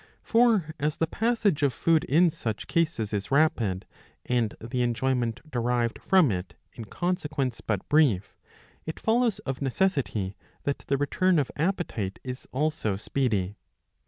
For as the passage of food in siich cases is rapid, and the enjoyment derived from it in consequence but brief, it follows of necessity that the return of appetite is also speedy.